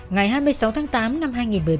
ngày hai mươi sáu tháng tám năm hai nghìn một mươi bảy